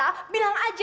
aku mau ngajak